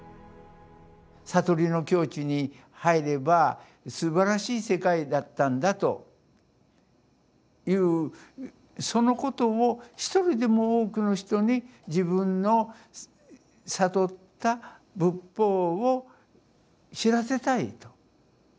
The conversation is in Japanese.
悟りの境地に入ればすばらしい世界だったんだというそのことを１人でも多くの人に自分の悟った仏法を知らせたいと。